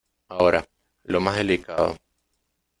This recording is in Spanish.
Ahora, lo más delicado.